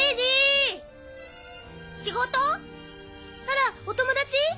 あらお友達？